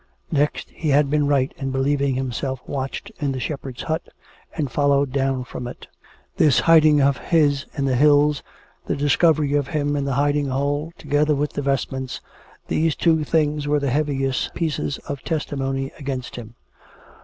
Next, he had been right in believing himself watched in the shepherd's hut, and followed down from it. This hid ing of his in the hills, the discovery of him in the hiding hole, together with the vestments — these two things were the heaviest pieces of testimony against him.